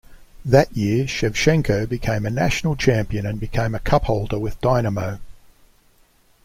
That year Shevchenko became a national champion and became a cup holder with Dynamo.